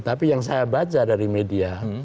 tapi yang saya baca dari media